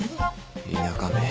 田舎め。